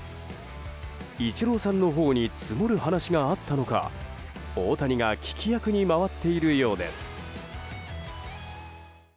イチローさんのほうに積もる話があったのか大谷が聞き役に回っているようです。